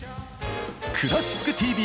「クラシックＴＶ」！